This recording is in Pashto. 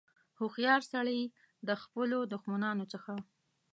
هوښیار سړي د خپلو دښمنانو څخه.